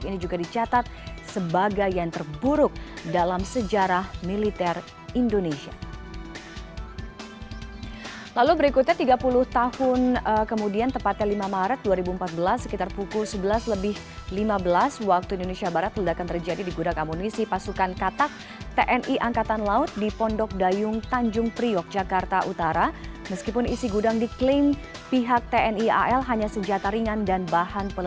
insiden terburuk terjadi pada seribu sembilan ratus delapan puluh empat di indonesia